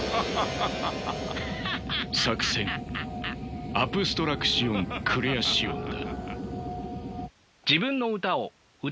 作戦アプストラクシオン・クレアシオンだ。